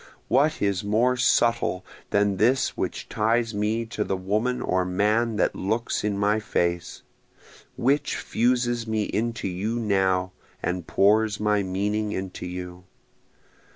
What is more subtle than this which ties me to the woman or man that looks in my face? Which fuses me into you now, and pours my meaning into you?